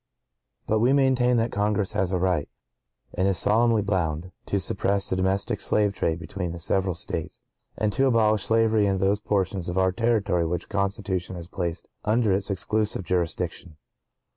(¶ 31) But we maintain that Congress has a right, and is solemnly bound, to suppress the domestic slave trade between the several States, and to abolish slavery in those portions of our territory which the Constitution has placed under its exclusive jurisdiction.